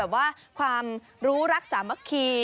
ฝึกแบบว่าความรู้รักษาบัคคี